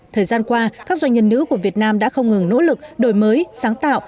thời gian qua các doanh nhân nữ của việt nam đã không ngừng nỗ lực đổi mới sáng tạo